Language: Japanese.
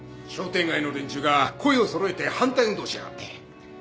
商店街の連中が声を揃えて反対運動しやがって。